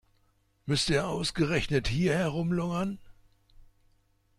Müsst ihr ausgerechnet hier herumlungern?